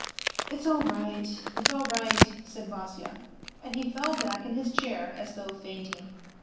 " It's all right, it's all right," said Vasya, and he fell back in his chair as though fainting.